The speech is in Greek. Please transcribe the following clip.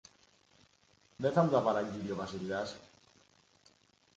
Δε θα μου τα παραγγείλει ο Βασιλιάς